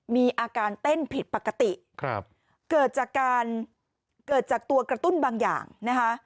มีอาการเต้นผิดปกติเกิดจากตัวกระตุ้นบางอย่างนะคะ